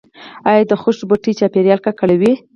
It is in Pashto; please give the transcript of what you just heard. آیا د خښتو بټۍ چاپیریال ککړوي؟